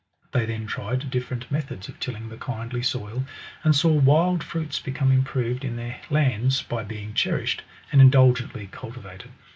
They then tried different methods of tilling the kindly soil, and saw wild fruits become improved in their lands by being cherished and indulgently cultivated.